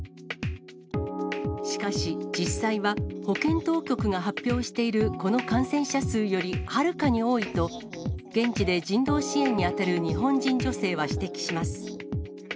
しかし、実際は保健当局が発表しているこの感染者数よりはるかに多いと、現地で人道支援に当たる日本人女性は指摘します。